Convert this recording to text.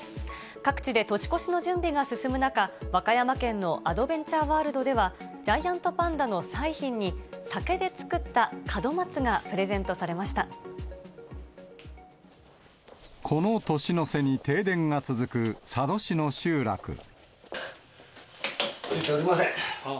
各地で年越しの準備が進む中、和歌山県のアドベンチャーワールドでは、ジャイアントパンダの彩浜に、竹で作った門松がプレゼントされこの年の背に停電が続く、ついておりません。